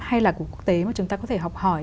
hay là của quốc tế mà chúng ta có thể học hỏi